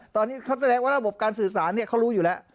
ตอนนี้เขาแสดงว่าระบบการสื่อสารเขารู้อยู่แล้ว